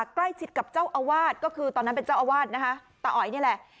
ใกล้ชิดกับเจ้าอาวาสก็คือตอนนั้นเป็นเจ้าอาวาสนะคะตาอ๋อยนี่แหละ